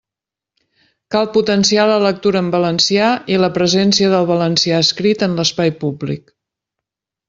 Cal potenciar la lectura en valencià i la presència del valencià escrit en l'espai públic.